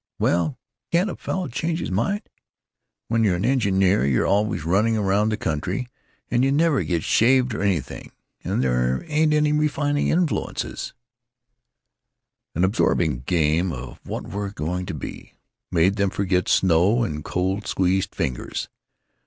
"Well, can't a fellow change his mind? When you're an engineer you're always running around the country, and you never get shaved or anything, and there ain't any refining influences——" The absorbing game of "what we're going to be" made them forget snow and cold squeezed fingers.